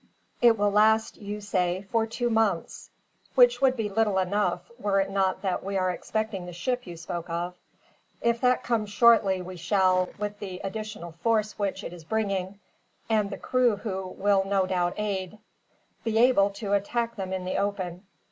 It will last, you say, for two months; which would be little enough, were it not that we are expecting the ship you spoke of. If that comes shortly we shall, with the additional force which it is bringing; and the crew, who will no doubt aid; be able to attack them in the open.